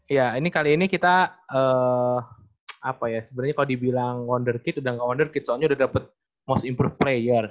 iya ini kali ini kita apa ya sebenernya kalo dibilang wonder kid udah gak wonder kid soalnya udah dapet most improved player